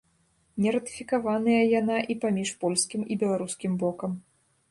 Нератыфікаваная яна і паміж польскім і беларускім бокам.